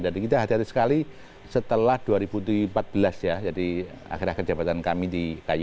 kita hati hati sekali setelah dua ribu empat belas ya jadi akhir akhir jabatan kami di kay